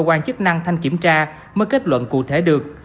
cơ quan chức năng thanh kiểm tra mới kết luận cụ thể được